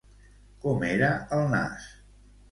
Com era el nas?